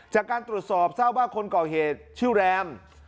จากการตรวจสอบทราบว่าคนก่อเหตุชื่อแรม